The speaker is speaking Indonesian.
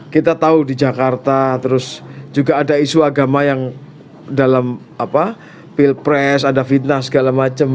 kita tahu di jakarta terus juga ada isu agama yang dalam pilpres ada fitnah segala macam